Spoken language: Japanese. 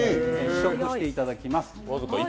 試食していただきます。